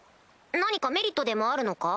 何かメリットでもあるのか？